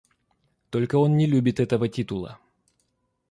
Только он не любит этого титула.